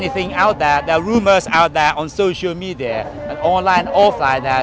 ทุกคนออกมาที่โซเชียลมีเดียออนไลน์ออฟไลน์